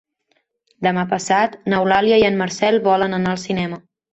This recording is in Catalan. Demà passat n'Eulàlia i en Marcel volen anar al cinema.